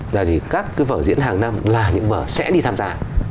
là gì các cái vở diễn hàng năm là những vở sẽ đi tham gia